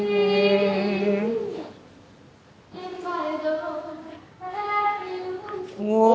jangan berhenti menunggu aku